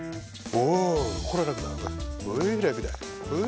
お。